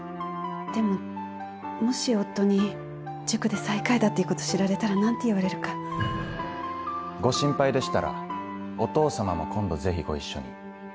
でももし夫に塾で最下位だっていうことを知られたら何て言われるか。ご心配でしたらお父様も今度ぜひご一緒に。